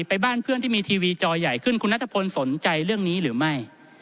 ไปบ้านเพื่อนที่มีทีวีจอใหญ่ขึ้นคุณนัทพลสนใจเรื่องนี้หรือไม่